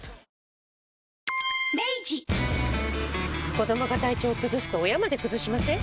子どもが体調崩すと親まで崩しません？